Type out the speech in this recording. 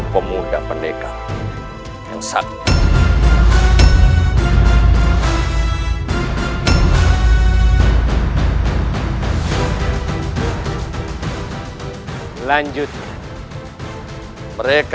sepuluh pusaka yang gusti memiliki